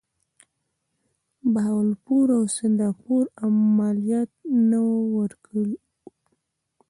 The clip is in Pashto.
بهاولپور او سند امیرانو مالیات نه وه ورکړي.